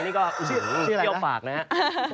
นี่ก็เชี่ยวปากนะครับ